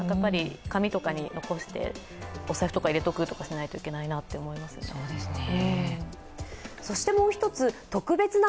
紙とかに残してお財布とか入れとくとかしないといけないなと思いますね。